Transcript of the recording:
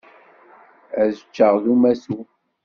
Ad ččeɣ d umatu.